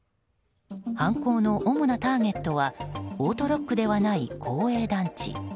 犯行の主なターゲットはオートロックではない公営団地。